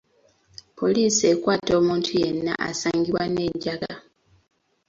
Poliisi ekwata omuntu yenna asangibwa n'enjaga.